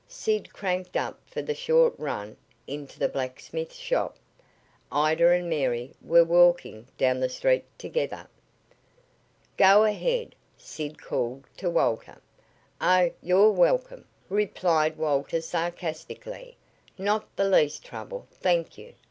Sid cranked up for the short run into the blacksmith shop. Ida and Mary were walking down the street together. "Go ahead!" Sid called to Walter. "Oh, you're welcome," replied Walter sarcastically. "Not the least trouble, thank you.